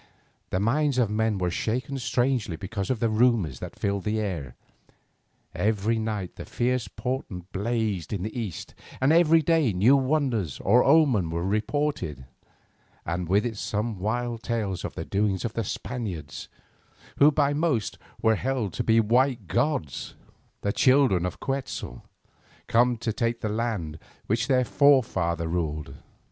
The minds of men were shaken strangely because of the rumours that filled the air. Every night the fiery portent blazed in the east, every day a new wonder or omen was reported, and with it some wild tale of the doings of the Spaniards, who by most were held to be white gods, the children of Quetzal, come back to take the land which their forefather ruled.